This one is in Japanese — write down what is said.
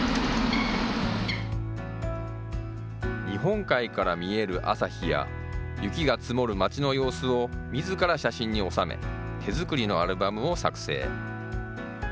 日本海から見える朝日や、雪が積もる町の様子をみずから写真に収め、手作りのアルバムを作成。